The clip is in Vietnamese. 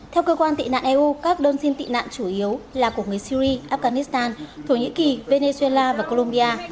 theo cơ quan tị nạn eu các đơn xin tị nạn chủ yếu là của người syri afghanistan thổ nhĩ kỳ venezuela và colombia